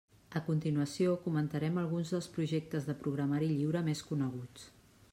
A continuació comentarem alguns dels projectes de programari lliure més coneguts.